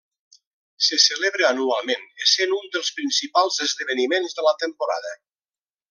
Se celebra anualment, essent un dels principals esdeveniments de la temporada.